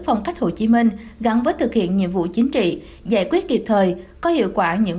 phong cách hồ chí minh gắn với thực hiện nhiệm vụ chính trị giải quyết kịp thời có hiệu quả những